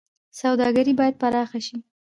سوداګري باید پراخه شي